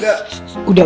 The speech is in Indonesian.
udah udah udah